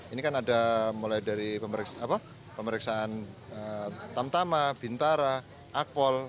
ini kan ada mulai dari pemeriksaan tamtama bintara akpol